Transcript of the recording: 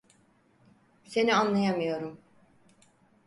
Seni anlayamıyorum.